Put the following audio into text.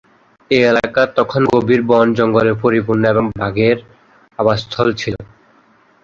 এ এলাকা তখন গভীর বন-জঙ্গলে পরিপূর্ণ এবং বাঘের আবাসস্থল ছিল।